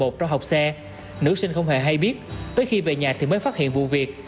trong học xe nữ sinh không hề hay biết tới khi về nhà thì mới phát hiện vụ việc